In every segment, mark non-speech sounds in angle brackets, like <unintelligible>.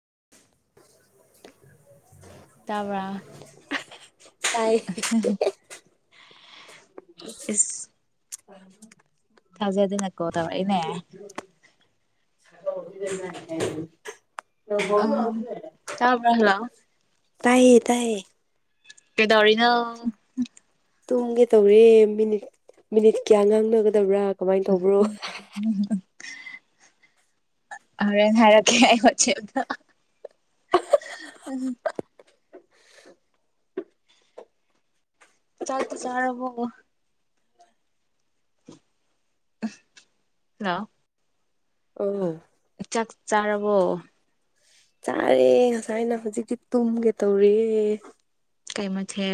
<unintelligible> <inaudible> ꯇꯕ꯭ꯔ ꯇꯥꯌꯦ ꯊꯖꯗꯅ ꯀꯜꯂ ꯇꯧꯔꯛꯏꯅꯦ <inaudible> <unintelligible> ꯗ <inaudible> <unintelligible> ꯑ ꯆꯥꯕꯂꯥ ꯇꯥꯏꯌꯦ ꯇꯥꯏꯌꯦ ꯄꯦꯗꯥꯧꯔꯤꯅ ꯇꯨꯝꯒꯦ ꯇꯧꯔꯦ ꯃꯤꯅꯤꯠ ꯃꯤꯅꯤꯠ ꯀꯌꯥ ꯉꯥꯡꯅꯒꯗꯕ꯭ꯔꯥ ꯀꯃꯥꯏꯅ <unintelligible> ꯇꯧꯕ꯭ꯔꯣ ꯍꯣꯔꯦꯟꯦꯟ ꯍꯥꯏꯔꯛꯀꯦ ꯑꯩ ꯋꯥꯣꯆꯦꯞꯗ ꯆꯗꯤ ꯆꯥꯔꯣꯕꯣ ꯍꯂ ꯑꯣ ꯆꯥꯛ ꯆꯥꯔꯕꯣ ꯆꯥꯔꯦ ꯉꯁꯥꯏꯅ ꯍꯧꯖꯤꯛꯇꯤ ꯇꯨꯝꯒꯦ ꯇꯧꯔꯤꯌꯦꯦ ꯀꯩ ꯃ ꯍꯦ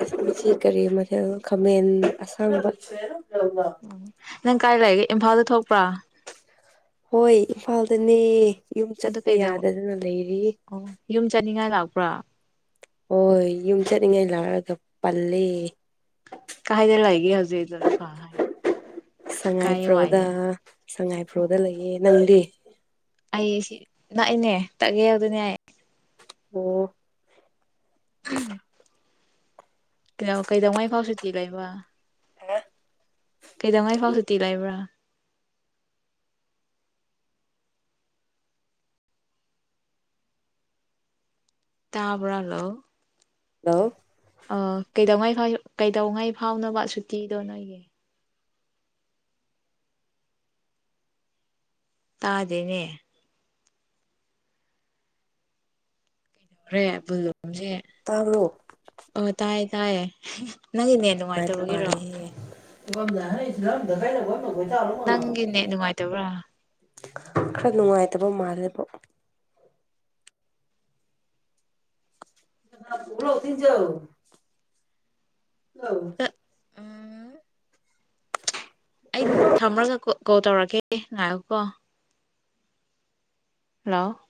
ꯑꯁ ꯃꯁꯤ ꯀꯔꯤ ꯃꯊꯦꯜ ꯈꯥꯃꯦꯟ ꯑꯁꯥꯡꯕ ꯑꯃ ꯅꯪ ꯀꯥꯏ ꯂꯩꯒꯦ ꯏꯝꯐꯥꯜꯗ ꯊꯣꯛꯄ꯭ꯔꯥ ꯍꯣꯏ ꯏꯐꯥꯜꯗꯅꯦ ꯌꯨꯝ ꯑꯗꯨ ꯆꯠꯄ ꯀꯩꯗ ꯌꯥꯗꯗꯅ ꯂꯩꯔꯤ ꯍꯥꯏꯅꯤꯡꯉꯥꯏ ꯂꯥꯛꯄ꯭ꯔꯥ ꯍꯣꯏ ꯍꯣꯏ ꯌꯨꯝ ꯆꯠꯅꯤꯡꯉꯥꯏ ꯂꯥꯛꯔꯒ ꯄꯂ ꯀꯥꯏꯗ ꯂꯩꯒꯦ ꯍꯧꯖꯤꯛꯗꯣ ꯏꯝꯐꯥꯜ ꯍꯥꯏ ꯀꯥꯏ ꯁꯉꯥꯏꯄ꯭ꯔꯧꯗ ꯋꯥꯏꯗ ꯁꯉꯥꯏꯄ꯭ꯔꯧꯗ ꯂꯩꯌꯦ ꯅꯪꯗꯤ ꯑꯩ ꯅꯛꯏꯅꯦ ꯇꯛꯑꯦ ꯑꯗꯨ ꯑꯗꯨꯅꯦ ꯑꯩ ꯑꯣ <unintelligible> ꯀ ꯀꯩꯗꯧꯋꯥꯉꯏ ꯐꯥꯎꯁꯤꯦ ꯆꯒꯥꯏꯕ ꯀꯩꯗꯧꯉꯩ ꯐꯥꯎ ꯀꯔꯤ ꯁꯨꯇꯤ ꯂꯩꯕ꯭ꯔꯥ ꯇꯥꯕ꯭ꯔꯥ ꯍꯜꯂꯣ ꯍꯜꯂꯣ ꯑ ꯀꯩꯗꯧꯉꯩ ꯀꯩꯗꯧꯉꯩ ꯐꯥꯎꯅꯣꯕ ꯁꯨꯇꯤꯗꯣ ꯅꯣꯏꯒꯤ ꯇꯥꯗꯦꯅꯦ <unintelligible> ꯇꯥꯕ꯭ꯔꯣ <unintelligible> ꯑ ꯇꯥꯏ ꯇꯥꯏꯌꯦ ꯅꯪꯒꯤ ꯅꯦꯇ ꯅꯨꯡꯉꯥꯏꯇꯕꯒꯤꯔꯣ <unintelligible> ꯅꯪꯒꯤ ꯅꯦꯇ ꯅꯨꯡꯉꯥꯏꯇꯕ꯭ꯔꯥ ꯈꯔ ꯅꯨꯡꯉꯥꯏꯇꯕ ꯃꯥꯜꯂꯦꯕꯣ <unintelligible> <unintelligible> ꯎꯝ <inaudible> ꯑꯩ ꯊꯝꯃꯒꯀꯣ ꯀꯣꯜ ꯇꯧꯔꯛꯀꯦ ꯉꯥꯢꯌꯨꯀꯣ ꯍꯜꯂꯣ